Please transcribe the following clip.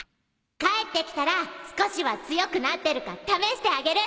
帰ってきたら少しは強くなってるか試してあげる！